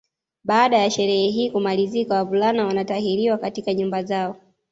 Baada ya sherehe hii kumalizika wavulana wanatahiriwa katika nyumba zao